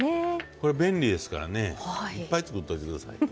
これ便利ですからねいっぱい作っておいて下さい。